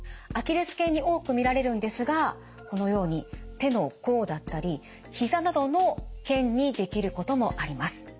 アキレス腱に多く見られるんですがこのように手の甲だったり膝などの腱に出来ることもあります。